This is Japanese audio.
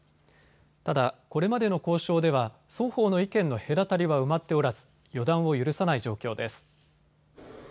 ただ、これまでの交渉では双方の意見の隔たりは埋まっておらず予断を許さない状況です。